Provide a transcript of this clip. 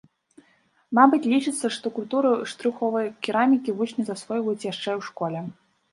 Мабыць, лічыцца, што культуру штрыхавой керамікі вучні засвойваюць яшчэ ў школе.